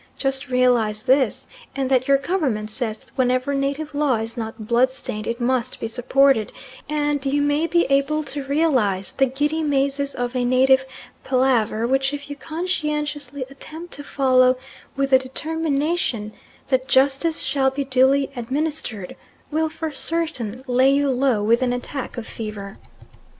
Just realise this, and that your Government says that whenever native law is not blood stained it must be supported, and you may be able to realise the giddy mazes of a native palaver, which if you conscientiously attempt to follow with the determination that justice shall be duly administered, will for certain lay you low with an attack of fever.